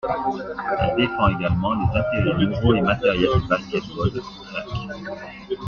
Elle défend également les intérêts moraux et matériels du basket-ball grec.